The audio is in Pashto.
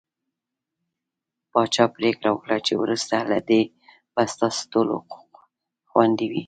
پاچا پرېکړه وکړه چې وروسته له دې به ستاسو ټول حقوق خوندي وي .